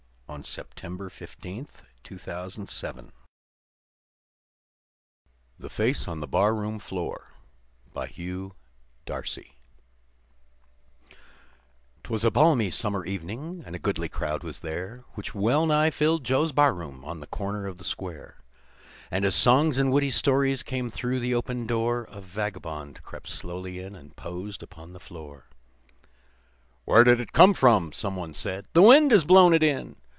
M N . O P . Q R . S T . U V . W X . Y Z The Face on the Barroom Floor 'TWAS a balmy summer evening, and a goodly crowd was there, Which well nigh filled Joe's barroom, on the corner of the square; And as songs and witty stories came through the open door, A vagabond crept slowly in and posed upon the floor. "Where did it come from?" someone said. " The wind has blown it in."